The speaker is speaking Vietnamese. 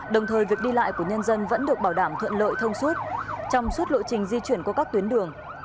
đồng thời việc đi lại của nhân dân vẫn được bảo đảm thuận lợi thông suốt trong suốt lộ trình di chuyển của các tuyến đường